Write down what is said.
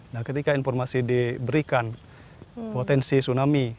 nah ketika informasi diberikan potensi tsunami